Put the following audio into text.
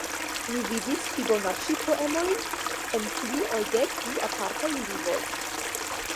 Mi vidis fibonaĉi-poemojn en pli ol dek du apartaj lingvoj.